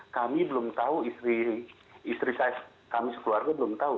kami belum tahu istri saya kami sekeluarga belum tahu